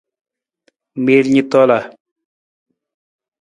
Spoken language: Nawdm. Miil ni tola.